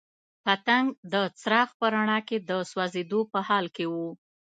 پتنګ د څراغ په رڼا کې د سوځېدو په حال کې وو.